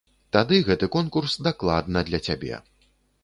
Тады гэты конкурс дакладна для цябе!